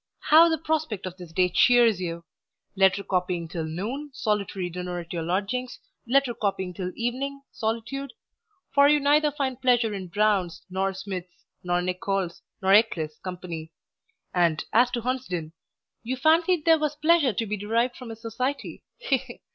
How the prospect of this day cheers you! Letter copying till noon, solitary dinner at your lodgings, letter copying till evening, solitude; for you neither find pleasure in Brown's, nor Smith's, nor Nicholl's, nor Eccle's company; and as to Hunsden, you fancied there was pleasure to be derived from his society he! he!